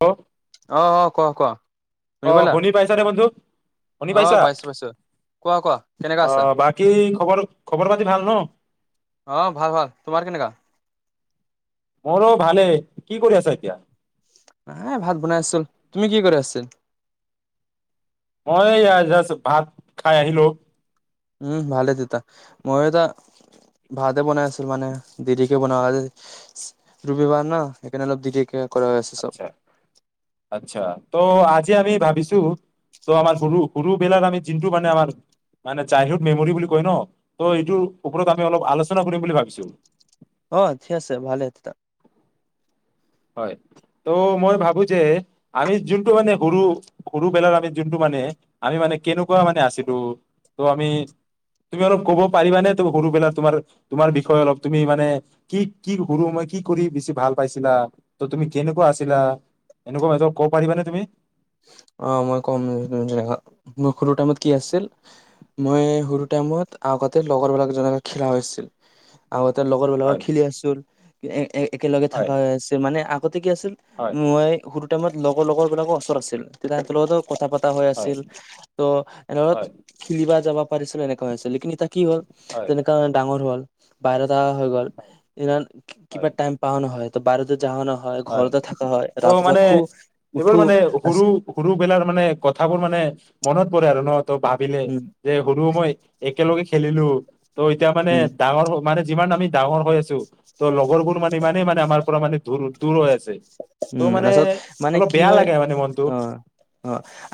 অ অ ক ক। অ শুনি পাইছা নে বন্ধু? শুনি অহ পাইছা পাইছো পাইছো। কোৱা কোৱা কেনেকা অ আছা? বাকী খবৰ, খবৰ পাতি ভাল ন? অ ভাল ভাল, তোমাৰ কেনেকা? মোৰো ভালে, কি কৰি আছা এতিয়া? এ ভাত বনাই আছিল, তুমি কি কৰি আছিল? মই যাষ্ট ভাত খাই আহিলো। উম ভালে দেতা, মই এতিয়া ভাতে বনাই আছিলো মানে দেৰিকে বনাম আজি, ৰবিবাৰ ন সেইকাৰণে অলপ দেৰিকে কৰা হৈ আছে চব আচ্ছা, আচ্ছা। ত' আজি আমি ভাবিছো, ত' আমাৰ সৰু, সৰুবেলাক আমি যিটো মানে আমাৰ মানে চাইল্ডহুড মেমৰি বুলি কয় ন ত' এইটোৰ ওপৰত আমি অলপ আলোচনা কৰিম বুলি ভাবিছো। অ ঠিক আছে, ভালে তেতিয়া। হয়, ত' মই ভাবো যে আমি যোনটো মানে সৰু সৰুবেলাৰ আমি যোনটো মানে, আমি মানে কেনেকুৱা মানে আছিলো, ত আমি তুমি অলপ কব পাৰিবানে ত সৰুবেলাৰ তোমাৰ তোমাৰ বিষয়ে অলপ তুমি মানে কি কি সৰু মই কি কৰি বেছি ভাল পাইছিলা ত তুমি কেনেকুৱা আছিলা, এনেকুৱা ক'ব পাৰিবানে তুমি? অ মই কম মোৰ সৰু টাইমত কি আছিল, মই সৰু টাইমত আগতে লগৰবিলাক জনক খেলা হৈছিল আৰু এতিয়াৰ লগৰবিলাকক হয় খেলি আছিল এ এ একেলগে হয় থাকা হৈ আছে মানে ঠিকে আছিল হয় মই স টাইমত লগৰ লগৰবিলাকৰ ওচৰত আছিল। তেতিয়া একেলগতেও কথা পতা হৈ হয় আছিল, ত' এনেত হয় খেলিবা যাব পাৰিছিলো এনেকুৱা হৈছে লেকিন ইতিয়া কি হ'ল, হয় যেনেকা ডাঙৰ হ'ল বাহিৰত তাৰ হৈ গ'ল, ইমান হয় কিবা টাইম পাৱ নহয় ত বাহিৰতেত জাৱা হয়, ঘৰতে থাকা হয়, ত' ৰাতি পোৱা খুব উঠো সৰুবেলাৰ মানে কথাবোৰ মানে মনত পৰে আৰু ন ত ভাবিলে উম যে সৰু মই একেলগে খেলিলো ত' এতিয়া মানে উম ডাঙৰ মানে যিমান আমি ডাঙৰ হৈ আছো, ত লগৰবোৰ মানে ইমানেই মানে আমাৰ পৰা মানে দূৰ দূৰ হৈ আছে। ত' উম, মানে তাৰপাছত মানে অলপ কি বেয়া হয়, লাগে মানে মনটো অ অ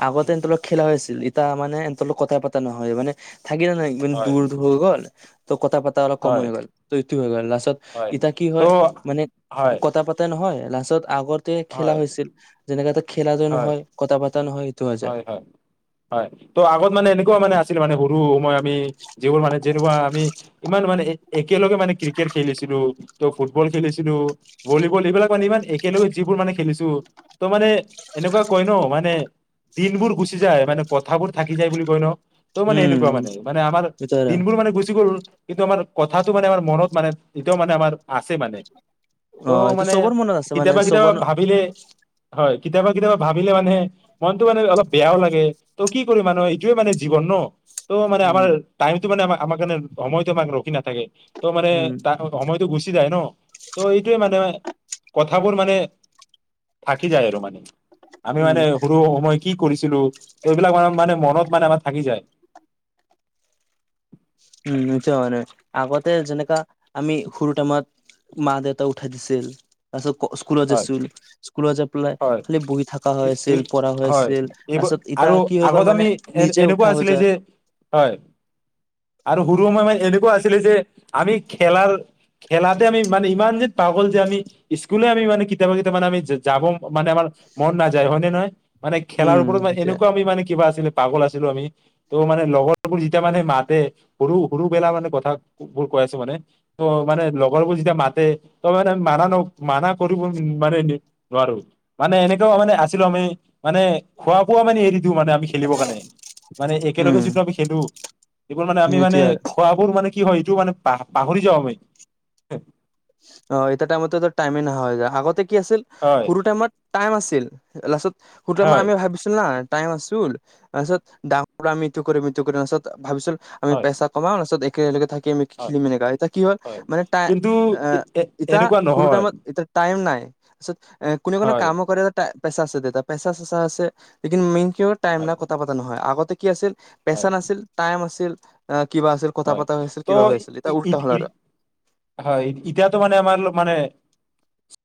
আগতে উম, এনত খেলা হৈছে এতিয়া মানে এনতৰ কথা পতা নহয় মানে থাকিলা নাই একদম হয় দূৰ দূ হৈ গ'ল ত' কথা পাতা অলপ কম হয় হৈ গ'ল, ত ইটো হৈ গ'ল লাষ্টত হয় ইতিয়া কি ত' হয় মানে হয় কথা পাতা নহয় তত আগত তে খেলা হয় হৈছিল যেনেকা এটা খেলা ত হয় নহয়, কথা পতা নহয়? হৈ যায় হয় হয়, ত' আগত মানে এনেকুৱা মানে আছিল মানে সৰু মই আমি যিবোৰ মানে যেনেকুৱা আমি ইমান মানে একেলগে মানে ক্ৰিকেট খেলিছিলো, ত ফুটবল খেলিছিলো, ভলীবল এইবিলাক মানে ইমান একেলগে যিবোৰ মানে খেলিছো, ত' মানে এনেকুৱা কয় ন মানে দিনবোৰ গুচি যায়, মানে কথাবোৰ থাকি যায় বুলি কয় ন। ত মানে উম, এনেকুৱা মানে, মানে আমাৰ এইটো হয়। দিনবোৰ মানে গুচি গ'ল কিন্তু আমাৰ কথাাটো মানে আমাৰ মনত মানে এতিয়াও মানে আমাৰ আছে মানে। ত' অ', এইটো মানে চবৰ মনত আছে মানে কেতিয়াবা কেতিয়াবা চবৰ ভাবিলে হয়। কেতিয়াবা কেতিয়াবা ভাবিলে মানে মনটো মানে অলপ বেয়াও লাগে, ত' কি কৰি মানুহ এইটোয়ে মানে জীৱন ন। ত' মানে উম, আমাৰ টাইম টো মানে আমা আমাৰ কানে সময়তোমাক ৰখি না থাকে, ত' মানে উম, তাৰ সময় গুচি যায় ন, ত এইটোৱে মানে কথাবোৰ মানে থাকি যায় আৰু মানে। উম। মই কি কৰিছিলো, ত এইবিলাক মানে মনত মানে আমাৰ থাকি যায়। উম এইটোৱে মানে, আগতে যেনেকা আমি সৰু টাইমত মা দেউতা উঠাই দিছিল তাৰছত স্কুলত যে হয় ছোল স্কুলত যে পেলাই হয় খালি বহি থকা হৈ এই এই আছিল, পঢ়া হৈ হয় আছিল এইবোৰ আছত আৰু ইতিয়া কি হৈ গল আগত মানে আমি এ নিজে এনেকুৱা উঠা হৈ আছিলে যায়। যে হয় আৰু সৰু সময়ে এনেকুৱা আছিলে যে, আমি খেলাল, খেলাতে আমি মানে ইমান যেন পাগল যে আমি স্কুলে আমি মানে কেতিয়াবা কেতিয়াবা মানে আমি যাব মানে আমাৰ মন নাযায়, হয় নে নহয়? মানে খেলাৰ উম, ওপৰত মে এতিয়া এনেকুৱা আমি মানে কিবা আছিলে পাগল আছিলো আমি। ত' মানে লগৰবোৰ যেতিয়া মানে মাতে, সৰু সৰুবেলা মানে কথা বোৰ কৈ আছো মানে, ত মানে লগৰবোৰ যেতিয়া মাতে ত মানে মানা ন মানা কৰিব মানে নোৱাৰো। মানে এনেকাও মানে আছিলো আমি মানে খোৱা বোৱা মানে এৰি মানে আমি খেলিবৰ কাৰণে, মানে একেলগে উম, যিটো আমি খেলো, এইবোৰ মানে আমি মানে এতিয়া খোৱা বোৰ মানে কি হয় এইটো মানে পা পাহৰি যাও আমি। অ এইটো টাইমটো যদি টাইমে নহয় আগতে। কি আছিল, হয় সৰু টাইমত টাইম আছিল। তিল লাচত। সুটো আমা হয় আমি ভাবিছো না। টাইম আছোল। তাৰপিছত আমি ইটো কৰিম ইটো কৰিম আছত ভাবিছিলো আমি হয় পেইচা কমাও, তাছত এক একে লগে থাক। কেম হয় খেলি মেলি কয় এতিয়া কি হ'ল হয় মানে তাই কিন্তু অ এ এ ইটা, এনেকুৱা সৰু নহয় টাইমত ইতিয়া টাইম নাই। তাৰপিছত এ কোনে কোনো হয় কাম কৰিব- পেচা আছে দে তাৰ, পেচা ছেচা আছে, একিন মেইন কিয় টাইম হয় নাই কথা পতা নহয় আগতে কি আছিল হয় পেচা নাছিল, টাইম আছিল। অ কিবা আছিল কথা হয় পতা হৈ আছিল ত' কিবা হৈছিল ই এতিয়া ই উল্টা হল ই আৰু হয় ইতিয়াতো মানে আমাৰ মানে,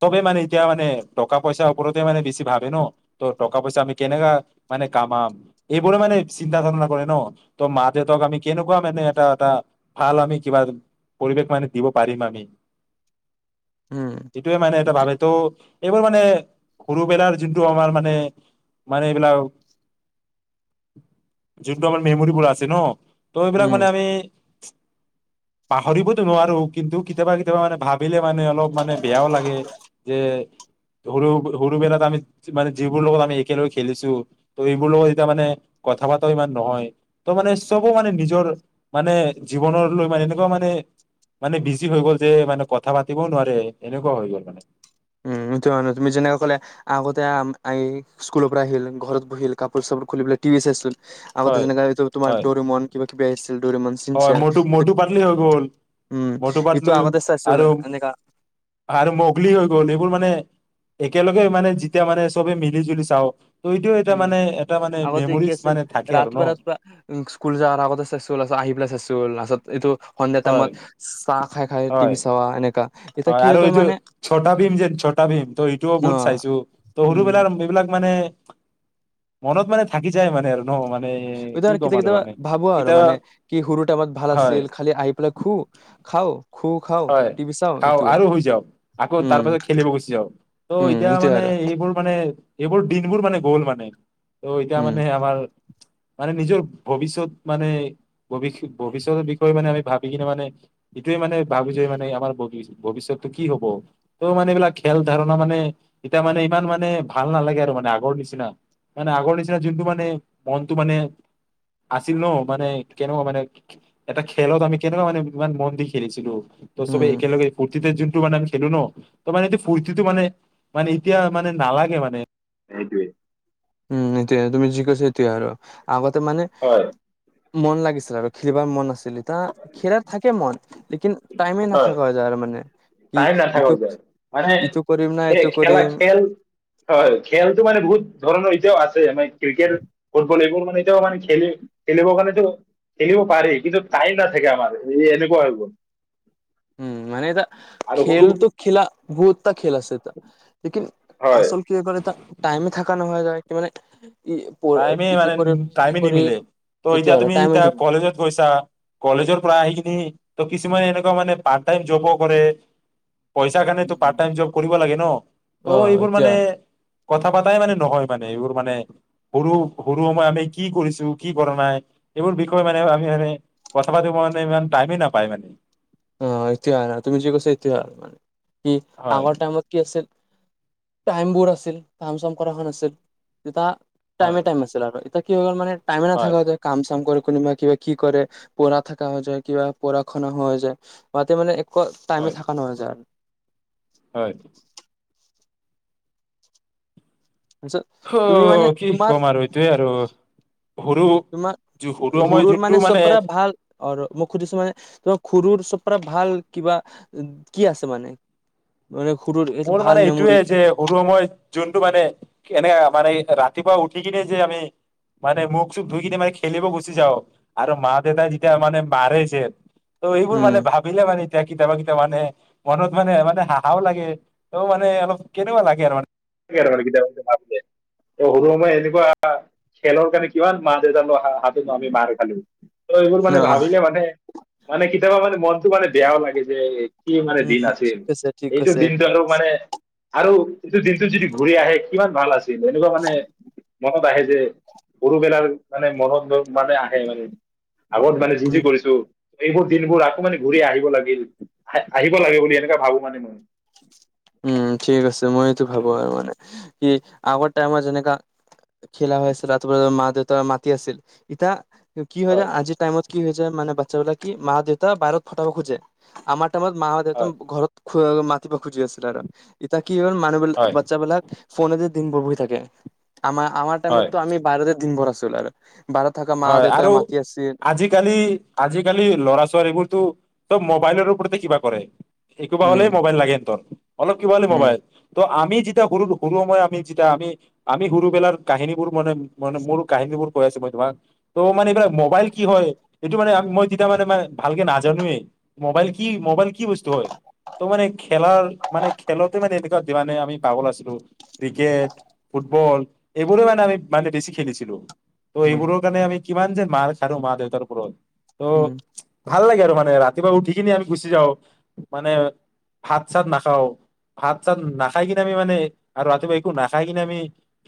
চবে মানে ইতিয়া মানে টকা পইচাৰ ওপৰতে মানে বেছি ভাবে ন, ত টকা পইচা আমি কেনেকা মানে কামাম এইবোৰে মানে চিন্তা ধাৰনা কৰে ন ত মা দেউতাক আমি কেনেকুৱা মানে এটা এটা ভাল আমি কিবা পৰিৱেশ মানে দিব পাৰিম আমি। উম এইটোৱে মানে এটা ভাবে তো এইবোৰ মানে সৰুবেলাৰ যোনটো আমাৰ মানে, মানে এইবিলাক, যোনটো আমাৰ মেমৰিবোৰ আছে ন ত' এইবিলাক উম মানে আমি পাহৰিবতো নোৱাৰো কিন্তু কেতিয়াবা কেতিয়াবা মানে ভাবিলে মানে অলপ মানে বেয়াও লাগে, যে সৰু সৰুবেলাত আমি মানে যিবোৰ লগত আমি একেলগে খেলিছো ত এইবোৰ লগত যেতিয়া মানে কথা পতাও ইমান নহয়, ত মানে চবো মানে নিজৰ মানে জীৱন লৈ মানে এনেকুৱা মানে মানে বিজি হৈ গ'ল যে মানে কথা পাতিবও নোৱাৰে এনেকুৱা হৈ গ'ল মানে। উম, তুমি যেনেকে ক'লে আগতে স্কুলৰ পৰা আহিল ঘৰত বহিল, কাপোৰ চাপোৰ খুলি পেলাই টিভি চাইছিল আগতে হয় যেনেকে তোমাৰ হয় দৰিমন কিবা কি বেছ হয় মটু মটু পাটলি হৈ গ'ল, উম, মটু এইটো পাটলো আগতে চাইছিল আৰু এনেকা আৰু মগলী হৈ গ'ল। এইবোৰ মানে একেলগে মানে যেতিয়া মানে চবে মিলি জুলি চাওঁ ত এইটোও এটা উম, মানে এটা মানে আগতে কি মেমৰিজ আছিল, মানে থাকে আৰু ন ৰাতিপুৱা ৰাতিপুৱা উম স্কুল যোৱাৰ আগতে চুচু লা আহি পেলাই চুচু নাছত এইটো সন্ধিয়া হয় টাইমত, চাহ খাই খাই হয় টিভি চাৱা এনেকা এতিয়া হয় কি হৈ আৰু গ'ল এইটো মানে ছটা ভীম যে, ছটা ভীম ত এইটোও ন বহুত চাইছো ত উম, সৰুবেলাৰ এইবিলাক মানে, মনত মানে থাকি যায় মানে আৰু ন মানে এতিয়া কি আৰু ক'ম কেতিয়া মানে কেতিয়াবা ভাবো আৰু কেতিয়াবা মানে কি সৰু টাইমত ভাল হয় আছিল খালি আহি পেলাই ঘু, খাও খু খাও হয় টিভি চাও খাও এইটো আৰু শুই যাও, আকৌ উম, তাৰ পাছত খেলিব গুচি যাও, ত' উম, এতিয়া এইটোৱে মানে আৰু এইবোৰ মানে এইবোৰ দিনবোৰ মানে গ'ল মানে ত এতিয়া উম, মানে আমাৰ মানে নিজৰ ভৱিষ্যত মানে ভৱিষ্যতৰ বিষয়ে মানে আমি ভাবি কিনে মানে এইটোৱে মানে ভাবো যে আমাৰ মানে বগিছে ভৱিষ্যতটো কি হব ত' মানে এইবিলাক খেল ধাৰণা মানে এতিয়া মানে ইমান মানে ভাল নালাগে আৰু মানে আগৰ নিচিনা, মানে আগৰ নিচিনা যোনটো মানে মনটো মানে আছিল ন মানে, কেনেকুৱা মানে এটা খেলত আমি কেনেকুৱা মানে ইমান মন দি খেলিছিলো। ত উম, চবেই একেলগে ফূৰ্তিতে যোন ত মানে আমি খেলো ন ত মানে এইটো ফূৰ্তিটো মানে মানে এতিয়া মানে নালাগে মানে সটোয়ে। উম এতিয়া তুমি যি কৈছ সেতোৱে আৰু। আগত। ত মানে হয় মন লাগিছিল আৰু খেলিবাৰ মন আছিল। ত খেলাৰ থাকে মন। লেকিন টাইমে হয় নাথাক যাৰ মানে কি টাইম ইটো নাথাকাও মানে ইটো কৰিম না এইটো খেলা কৰিম খেল হয় খেলটো মানে বহুত ধৰণৰ এতিয়াও আছে। এমা ই ক্ৰিকেট ফুটবল এইবোৰ মানে এতিয়াও মানে খেলি খেলিবৰ কাৰণে টো খেলিব পাৰি কিন্তু টাইম নাথাকে আমাৰ এই এনেকুৱা হৈ গল। উম মানে তা - আৰু সৰু খেলটো খেলা বহুত টা খেল আছে তা লেকিন হয় আচল কিয়ে কৰে টা টাইমে থাকা নোহোৱা যায়। কি মানে ই প টাইমে ইটো মানে কৰিম সিটো টাইমে নিমিলে কৰিম ত এইটো এতিয়া আৰু তুমি টাইমে এতিয়া নিমিলে। কলেজত গৈছা কলেজৰ পৰা আহি কিনি ত কিছুমানে এনেকুৱা মানে পাৰ্ট টাইম জবো কৰে। পইচা কাৰণ তো পাৰ্ট টাইম জব কৰিব লাগে ন ত' অ', এইবোৰ এতিয়া মানে কথা পাতাই মানে নহয় মানে এইবোৰ মানে সৰু সৰু সমই আমি কি কৰিছো, কি কৰা নাই এইবোৰ বিষয়ে মানে আমি আমি কথা পাতিব কাৰণে ইমান টাইমেই নাপায় মানে। অ এইতোৱে আৰা তুমি যি কৈছা এইটোৱে আৰু কি হয় আগৰ টাইমত কি আছিল। টাইম বোৰ আছিল কাম চাম কৰাখন আছিল ইটা হয় টাইমে টাইম আছিল আৰু ট কি হৈ গ'ল মানে টাইম হয় নাথাকোতে কাম চাম কৰি কোনোবা কিবা কি কৰে প়ঢা থাকা হৈ যায় কিবা পঢ়া শনা হৈ যায ৱাতে মানে এক টাইমে হয় থাক ন হৈ যায় আৰু হয় তাৰপিছত অ তুমি মানে কি তোমাৰ ক'ম আৰু এইটোয়ে আৰু সৰু তোমাৰ যি সৰু সময় সুৰুৰ যোনটো মানে চব পৰা ভাল আৰু মই সুধিছো মানে তোমাৰ সুৰুৰ চব ভাল কিবা কি আছে মানে মানে সৰুৰ এইটো মোৰ ভাল মানে মেমৰি এইটোয়ে যে সৰু সময় যোনটো মানে এনে পাৰে ৰাতিপুৱা উঠি কিনে যে আমি মানে মুখ চুখ ধুই কিনে মানে খেলিব গুচি যাও আৰু মা দেউতা যেতিয়া মানে মাৰে যে ত এইবোৰ উম মানে ভাবিলে মানে এতিয়া কেতিয়াবা কেতিয়াব মানে মনত মানে মানে হাহাও লাগে ত মানে অলপ কেনেকুৱা লাগে আৰু সৰু সময়ই এনেকুৱা খেলৰ কাৰণে কিমান মা দেউতাল হাতত ন আমি মাৰ খালো। ত এইবোৰ মানে অ ভাবিলে মানে মানে কেতিয়াবা মানে মনতটো মানে বেয়াও লাগে যে। কি মানে দিন উম আছিল ঠিক আছে ঠিক এইটো আছে দিনটো ঠিক আৰু। আছে মানে আৰু। কিন্তু দিনটোত যদি ঘূৰি আহে কিমান ভাল আছে। এনেকুৱা মানে মনত আহি। যে গৰু বেলাৰ মানে মনত মানে আহে মানে। আগত মানে যি যি উম, কৰিছো। এইবোৰ দিনবোৰ আকৌ মানে ঘূৰি আহিব লাগিল আহ আহিব লাগে বুলি এনেকা ভাবো মানে মই। উম ঠিক আছে মইটো ভাবো আৰু মানে কি আগৰতে আমাৰ যেনেকা খেলা হৈ আছিল ৰাতিপুৱা মা দেউতা মাতি আছিল ইতয়া। কি হয় আজিৰ টাইমত কি হৈ হৈছে। মানে বাচ্ছা বিলাক কি মা দেউতা বাহিৰত পথাব খোজে আমাৰ। টাইমত মা দেউত হয় ঘৰত খ মাতিব। খুজি আছে। এটা। কি হল মানুহবিলাক হয় বাচ্ছা বিলাক ফোনে যে। দিন বৰ হয় থাকে। আাৰ আমাৰ হয় টাইমতো আম বাৰিৰৰ দিন ভৰত। চল আৰু। বাহিৰত থকা মা হয় দেউতাই আৰু মাতি আছিল আজিকালি আজিকালি লৰা ছোৱালীবোৰতো। ত মোবাইলৰ ওৰতে কিবা কৰে। কিবা উম, হলেই মোবাইল লাগে সিহঁতক। অলপ কিবি উম, মোবাইল ত আমি। যেতিয়া সৰু সৰু সময় আমি যেতিয়া আমি আমি সৰুবেলাৰ কাহিনী বোৰ মানে মানে মোৰ কাহিনী বোৰ কৈ আছো মই তোমাক। ত' মানে এইবিলাক মোবাইল কি হয় এইটো মানে মই তেতিয়া মানে ভালকে নাজানোৱেই মোবাইল কি মোবাইল কি বস্তু হয় ত মানে খেলাৰ মানে খেলতে মানে এনেকুৱা মানে আমি পাগল আছিলো ক্ৰিকেট ফুটবল এইবোৰে মানে আমি মানে বেছি খেলিছিলো। উম, এইবোৰৰ। আমি কিমান যে মাৰ খালো মা দেউতাৰ ওপৰত। ত' উম, ভাল লাগে আৰু মানে। ম ৰাতিপুৱা উঠি কিনে আমি গুচি যাও। মানে ভাত চাত নাখাও ভাত চাত নাখাই কিনে আমি মানে আৰু ৰাতিপুৱা একো নাখাই কিনে আমি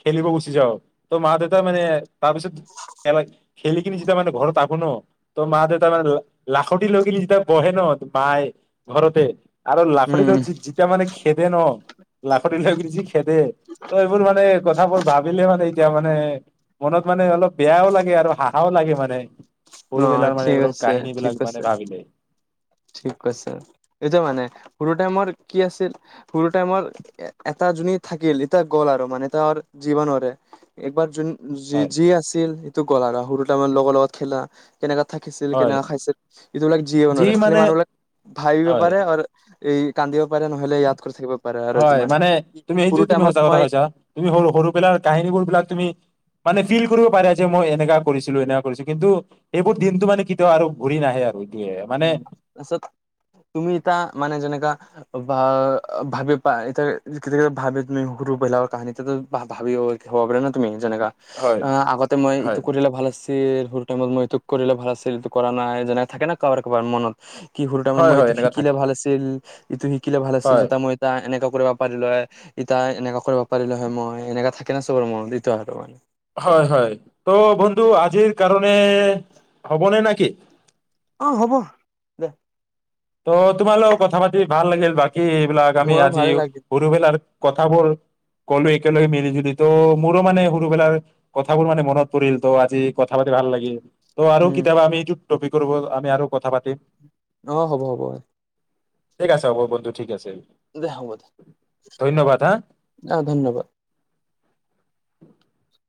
খেলিব গুচি যাওঁ ত মা দেউতা মানে তাৰপিছত। কেনে [unintelligible] খেলি কিনি যেতিয়া মানে ঘৰত থাকো ন ত মা দে তাৰ মে লাখট লৈ কিনি যেতিয়া বহে ন মায়ে ঘৰতে। আৰু লাফুৰি ৰি উম, জীত জিতা মানে কি? সেইটোৱে ন। লাখতি ল যি খেদে ত এইবোৰ মানে কথাবোৰ ভাবিলে মানে। এতিয়া মানে মনত মানে অলপ-। বেয়াও লাগে আৰু হাহাও লাগে মানে। অ সৰুবেলাৰ মানে ঠিক এইবিলাক আছে, কাহিনী ঠিক বিলাক মানে আছে, ভাবিলে ঠিক কৈছে এতিয়া মানে সৰু। সৰু টাইমৰ কি আছিল, সৰু টাইমৰ এটা যোনি থাকিল এতিয়া গ'ল আৰু মানে এ তৰ জীৱনৰে একবাৰ যোন। যি হয় যি আছিল। ত গলা সৰু ত আমাৰ লগত খেলা। কেনেকা থাকিছিল, হয় কেনেকা খাইছিল, সিটো বিলাক জীয়িব যি নোৱাৰে খালি মানে মানুহ বিলাক ভাবিব হয় পাৰে আৰু। এই কান্দিব পাৰে নহলে ইয়াত কৰি থাকিব। পাৰে আৰু এইটো হয় মানে তুমি সৰু সেইটো, তুমি টাইমত সঁচা কথা মই কৈছা তুমি সৰু সৰু পেলাৰ কাহিনীবোৰ বিলাক তুমি মানে। ফিল কৰিব পাৰে যে মই এনেকাাকৰিছিলো, এনেকা কৰিছিলো কিন্তু এইবোৰ দিনটো মানে কেতিয়াও আৰু ঘূৰি নাহে আৰু। এইটোয়ে মানে উম, তাৰপিছত তুমি এটা মানে যেনেকা। বা ভাবি পা ইতিয়া কেতিয়াবা ভাবে তুমি সৰু বেলাৰ কাহানীটো ভা ভা ভাবি হাগৰে ন তুমি। যেনেকা, হয় অ আগতে মই হয় ইটো কৰিলে ভাল আ। এ সৰুটাইমত মই এইটো কৰিলে ভাল আছিল কৰা নাই যেনেই থাকে ন। কবাৰ কবাৰ মনত। কি হ'ল তাৰমানে হয় মই হয় এইটো এনেকা শিকিলে থাকে ভাল আছিল, ইটো শিকিলে ভাল আছিল হয় তেতিয়া মই এটা এনেকুৱা। কৰিব পাৰিল হয়, ইতা এনেকা কৰিব পাৰিল হয় মই, এনেকা থাকে না চবৰ মনত এইটো হয় আৰু মানে। হয় হয়, ত' বন্ধু আজিৰ কাৰণে হ'বনে নেকি? অ হ'ব, দে। ত তোমালোক কথা পাতি ভাল লাগিল বাকী। কি এইবিলাক আমি মোৰো আজি ভালে লাগিল সৰুবেলাৰ। কথাবোৰ কলো একেলগে মিলি জুলি ত' মোৰো মানে সৰুবেলাৰ কথাবোৰ মানে মনত পৰিল ত' আজি কথা পাতি ভাল লাগিল। তো আৰু উম কিতিয়াবা আমি এ। টপিকৰ ওপৰত আমি আৰু কথা পাতিম। অ হ'ব হ'ব। ঠিক আছে হ'ব বন্ধু ঠিক আছে। দে হ'ব দে, ধন্যবাদ হা আহ ধন্যবাদ। [unintelligible]